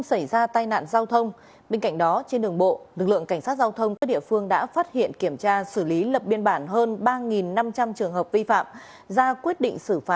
xin chào và hẹn gặp lại